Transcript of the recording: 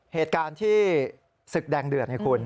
เหตุการณ์ที่ศึกแดงเดือดไงคุณ